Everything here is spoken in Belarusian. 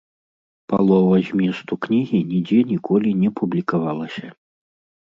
Палова зместу кнігі нідзе ніколі не публікавалася.